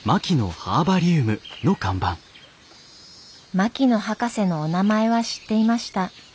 槙野博士のお名前は知っていました。